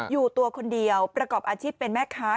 อยู่ตัวคนเดียวประกอบอาชีพเป็นแม่ค้า